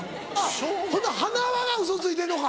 ほんならはなわが嘘ついてるのか？